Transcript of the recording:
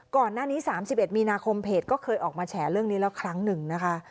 ก่อนหน้านี้๓๑มีนาคมเพจก็เคยออกมาแฉเรื่องนี้แล้วครั้งหนึ่งนะคะ